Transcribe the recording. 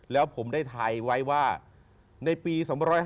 แล้วผมได้ไทยไว้ว่าในปี๒๕๕๙